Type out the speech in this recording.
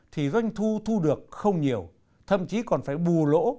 thì doanh thu thu được không nhiều thậm chí còn phải bù lỗ